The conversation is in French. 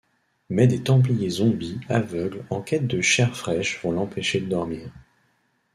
Mais des Templiers zombies aveugles en quête de chair fraîche vont l’empêcher de dormir.